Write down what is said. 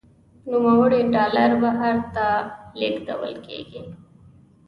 نوموړي ډالر بهر ته لیږدول کیږي.